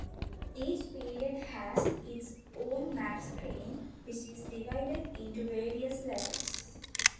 Each period has its own map screen, which is divided into various levels.